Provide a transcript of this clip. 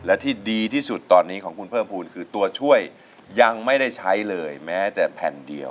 และที่ดีที่สุดตอนนี้ของคุณเพิ่มภูมิคือตัวช่วยยังไม่ได้ใช้เลยแม้แต่แผ่นเดียว